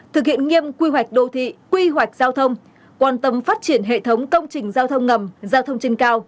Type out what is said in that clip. thực hiện nghiêm quy hoạch đô thị quy hoạch giao thông quan tâm phát triển hệ thống công trình giao thông ngầm giao thông trên cao